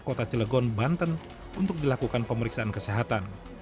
kota cilegon banten untuk dilakukan pemeriksaan kesehatan